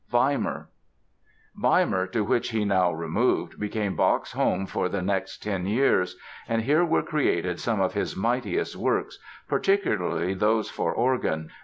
WEIMAR Weimar, to which he now removed, became Bach's home for the next ten years, and here were created some of his mightiest works, particularly those for organ.